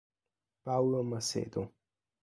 Paulo Macedo